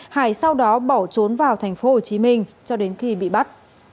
hải sau đó bỏ trốn vào tp hcm cho đến khi bị bắt